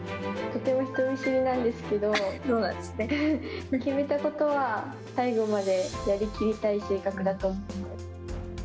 とても人見知りなんですけど決めたことは最後までやりきりたい性格だと。